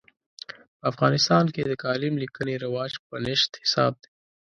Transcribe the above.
په افغانستان کې د کالم لیکنې رواج په نشت حساب دی.